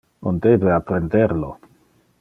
On debe apprender lo.